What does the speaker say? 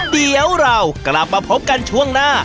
เดี๋ยวเรากลับมาพบกันช่วงหน้า